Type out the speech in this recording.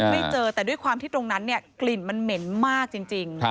ไม่เจอแต่กลิ่นมันเหม็นมากจริง